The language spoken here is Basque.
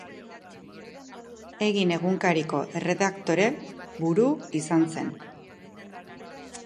Egin egunkariko erredaktore buru izan zen.